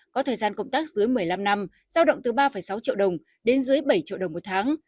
có thời gian công tác dưới một mươi năm năm giao động từ ba sáu triệu đồng đến dưới bảy triệu đồng một tháng